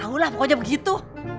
tau lah pokoknya begitu